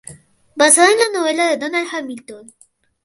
Basada en la novela de Donald Hamilton.